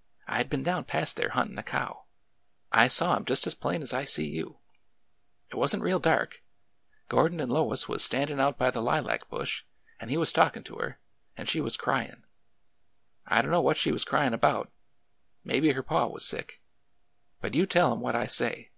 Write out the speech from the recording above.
'' I had been down past there huntin' a cow. I saw 'em just as plain as I see you. It was n't real dark. Gordon and Lois was standin' out by the lilac bush, and he was talkin' to her, and she was cryin'. I don't know what she was cryin' about. Maybe her paw was sick. But you tell him what I say.